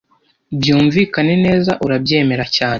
byumvikane neza urabyemera cyane